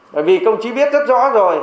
bởi vì công chí biết rất rõ rồi